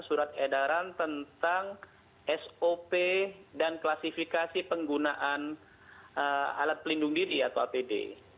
surat edaran tentang sop dan klasifikasi penggunaan alat pelindung diri atau apd